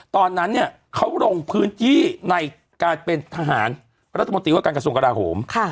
ตอนนั้นเนี่ยเขาลงพื้นที่ในการเป็นทหารรัฐมนตรีว่าการกระทรวงกราโหม